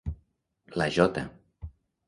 La J